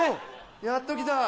やっと来た。